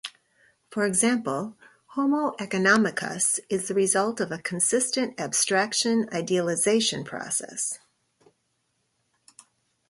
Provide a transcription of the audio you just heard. For example, homo economicus is the result of a consistent abstraction-idealization process.